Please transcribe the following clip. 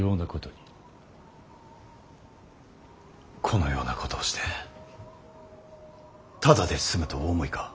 このようなことをしてただで済むとお思いか。